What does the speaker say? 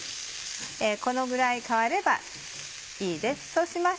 このぐらい変わればいいです。